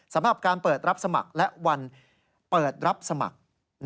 สำหรับการเปิดรับสมัครและวันเปิดรับสมัคร